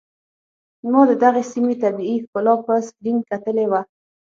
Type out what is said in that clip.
ما د دغې سيمې طبيعي ښکلا په سکرين کتلې وه.